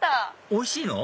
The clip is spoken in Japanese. おいしいの？